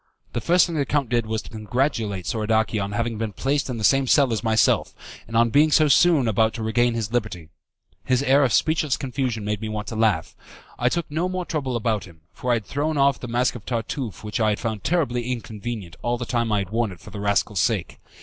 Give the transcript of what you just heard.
The first thing the count did was to congratulate Soradaci on having been placed in the same cell as myself, and on being so soon about to regain his liberty. His air of speechless confusion made me want to laugh. I took no more trouble about him, for I had thrown off the mask of Tartuffe which I had found terribly inconvenient all the time I had worn it for the rascal's sake.